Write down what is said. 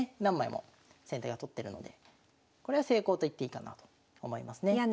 何枚も先手が取ってるのでこれは成功と言っていいかなと思いますね。